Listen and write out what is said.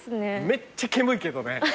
めっちゃ煙いけどね。